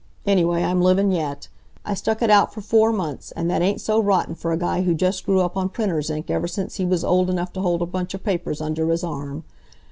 Anyway, I'm livin' yet. I stuck it out for four months, an' that ain't so rotten for a guy who just grew up on printer's ink ever since he was old enough to hold a bunch of papers under his arm.